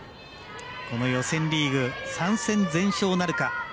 予選リーグ３戦全勝なるか。